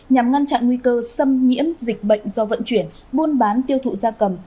nhằm ngăn chặn nguy cơ xâm nhiễm dịch bệnh do vận chuyển buôn bán tiêu thụ da cầm